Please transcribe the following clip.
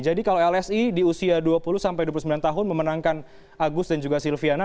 jadi kalau lsi di usia dua puluh sampai dua puluh sembilan tahun memenangkan agus dan juga silviana